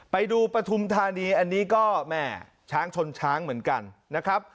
ปฐุมธานีอันนี้ก็แม่ช้างชนช้างเหมือนกันนะครับ